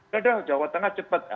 tidak ada jawa tengah cepat